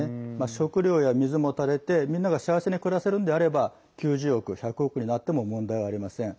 食料や水も足りて、みんなが幸せに暮らせるんであれば９０億、１００億になっても問題はありません。